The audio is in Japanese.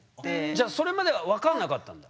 じゃそれまでは分かんなかったんだ？